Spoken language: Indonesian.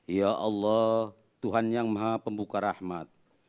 ya allah tuhan yang maha pembuka rahmat